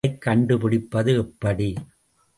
அதைக் கண்டுபிடிப்பது எப்படி?